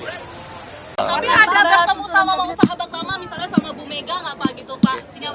tapi ada ketemu sama sahabat lama misalnya sama bu mega gak pak gitu pak